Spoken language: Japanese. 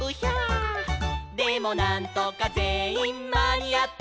「でもなんとかぜんいんまにあって」